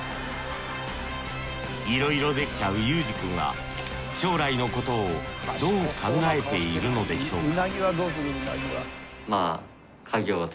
いろいろできちゃうゆうじ君は将来のことをどう考えているのでしょうか？